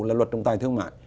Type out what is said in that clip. là luật trọng tài thương mại